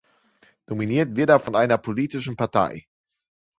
Nominiert wird er von einer politischen Partei.